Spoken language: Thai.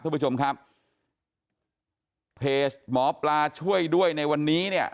ท่านผู้ชมครับเพจหมอปลาช่วยด้วยในวันนี้เนี่ย